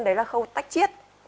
đấy là khâu tách chiết